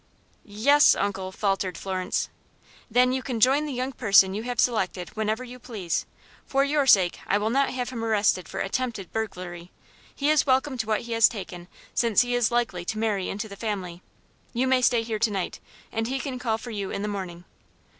"Yes, uncle," faltered Florence. "Then you can join the young person you have selected whenever you please. For your sake I will not have him arrested for attempted burglary. He is welcome to what he has taken, since he is likely to marry into the family. You may stay here to night, and he can call for you in the morning."